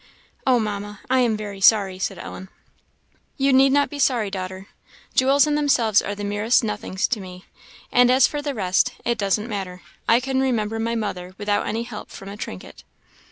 "Oh, Mamma, I am very sorry!" said Ellen. "You need not be sorry, daughter. Jewels in themselves are the merest nothings to me; and as for the rest, it doesn't matter; I can remember my mother without any help from a trinket."